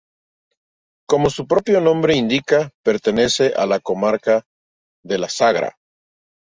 Como su propio nombre indica pertenece a la comarca de La Sagra.